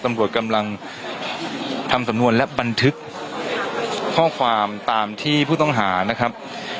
ตำรวจกำลังทำสำนวนและบันทึกข้อความตามที่ผู้ต้องหานะครับ